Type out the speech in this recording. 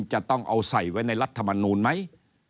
จะต้องเอาใส่ไว้ในรัฐมนูลไหม